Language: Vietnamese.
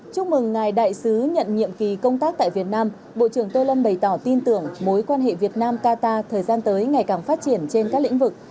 chúc mừng ngài đại sứ nhận nhiệm kỳ công tác tại việt nam bộ trưởng tô lâm bày tỏ tin tưởng mối quan hệ việt nam qatar thời gian tới ngày càng phát triển trên các lĩnh vực